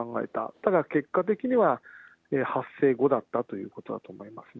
ただ結果的には発生後だったということだと思いますね。